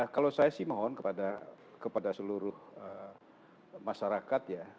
kalau saya sih mohon kepada seluruh masyarakat ya